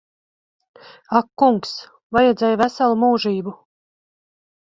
Ak kungs. Vajadzēja veselu mūžību.